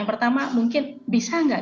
yang pertama mungkin bisa nggak